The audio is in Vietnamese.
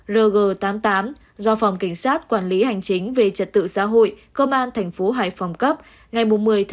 rg tám mươi tám do phòng kinh sát quản lý hành chính về trật tự xã hội công an tp hải phòng cấp ngày một mươi ba hai nghìn hai mươi